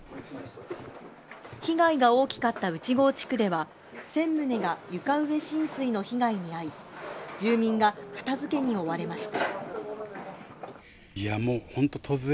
被害が大きかった内郷地区では１０００棟が床上浸水の被害に遭い、住民が片づけに追われました。